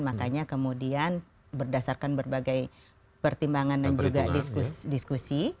makanya kemudian berdasarkan berbagai pertimbangan dan juga diskusi